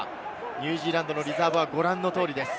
ニュージーランドのリザーブはご覧の通りです。